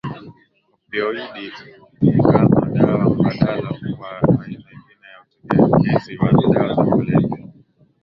opioidi kama Dawa mbadala kwa aina nyingine za utegemezi wa dawa za kulevya